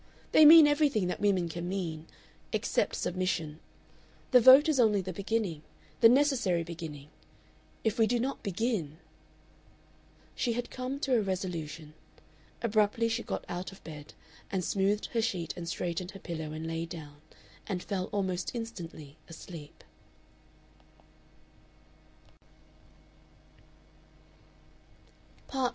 They mean everything that women can mean except submission. The vote is only the beginning, the necessary beginning. If we do not begin " She had come to a resolution. Abruptly she got out of bed, smoothed her sheet and straightened her pillow and lay down, and fell almost instantly asleep.